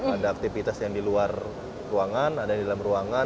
ada aktivitas yang di luar ruangan ada di dalam ruangan